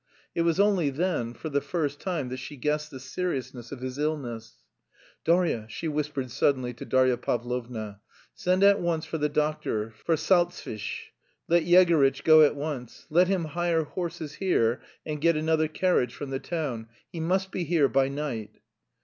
It was only then, for the first time, that she guessed the seriousness of his illness. "Darya," she whispered suddenly to Darya Pavlovna, "send at once for the doctor, for Salzfish; let Yegorytch go at once. Let him hire horses here and get another carriage from the town. He must be here by night."